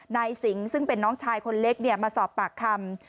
นายสิงซึ่งเป็นน้องชายคนเล็กมาสอบปากคำ